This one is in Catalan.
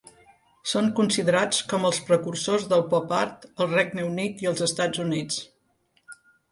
Són considerats com els precursors del Pop Art al Regne Unit i als Estats Units.